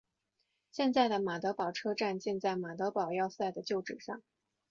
现在的马德堡车站建在马德堡要塞的旧址上。